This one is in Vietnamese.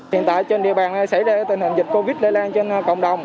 hiện tại trên địa bàn xảy ra tình hình dịch covid một mươi chín lây lan trên cộng đồng